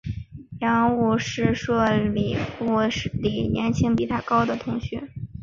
杨武之是数理部里年级比他高的同学。